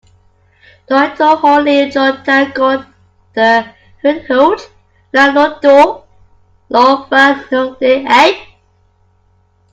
I wonder whether we will be able to harvest energy from fusion reactors.